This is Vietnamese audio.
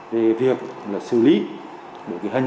về việc xử lý hình ảnh